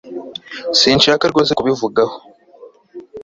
Sinshaka rwose kubivugaho